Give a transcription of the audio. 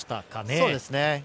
そうですね。